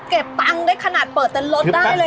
เก็บตังค์ได้ขนาดเปิดเต็นต์รถได้เลย